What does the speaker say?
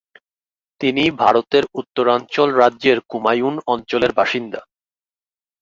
তিনি ভারতের উত্তরাঞ্চল রাজ্যের কুমায়ুন অঞ্চলের বাসিন্দা।